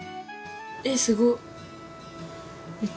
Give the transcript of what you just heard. えっすごっ。